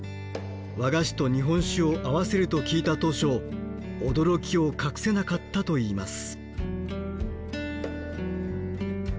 和菓子と日本酒を合わせると聞いた当初驚きを隠せなかったといいます。